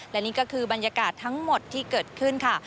และนี่ก็คือบรรยากาศทั้งหมดที่เกิดขึ้นค่ะ